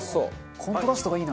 コントラストがいいな。